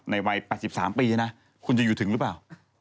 วัย๘๓ปีนะคุณจะอยู่ถึงหรือเปล่า